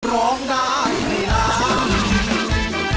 ร้องได้ให้ล้าน